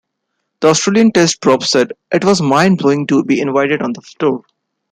The Australian Test prop said it was "mind-blowing" to be invited on the tour.